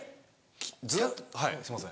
ずはいすいません。